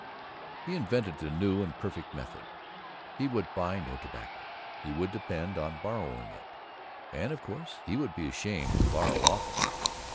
He invented a new and perfect method. He would buy no tobacco; he would depend on borrowing it; and, of course, he would be ashamed to borrow often.